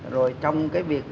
rồi trong cái việc